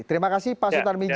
terima kasih pak sutar miji